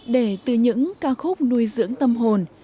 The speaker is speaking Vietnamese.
để từ những ca khúc nuôi dưỡng tâm hồn